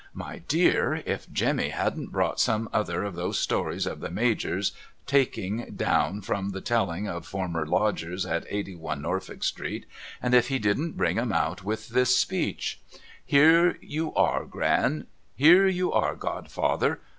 My dear, if Jemmy hadn't brought some other of those stories of the Major's MORE STORIES 3^5 taking down from the telling of former lodgers at Eighty one Norfolk street, and if he didn't bring 'em out with this speech :' Here you are Gran ! Here you are godfather